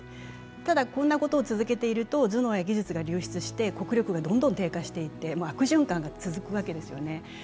ただ、こんなことを続けていると、頭脳や技術が流出して国力がどんどん低下していって悪循環が続くわけですよね。